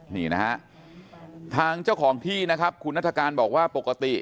นี่นะฮะทางเจ้าของที่นะครับคุณนัฐกาลบอกว่าปกติ